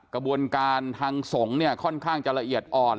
กระบวนการทางสงฆ์เนี่ยค่อนข้างจะละเอียดอ่อน